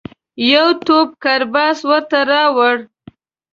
یو توپ کرباس ورته راووړ.